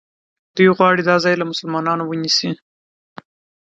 دوی غواړي دا ځای له مسلمانانو ونیسي.